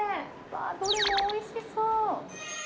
どれもおいしそう。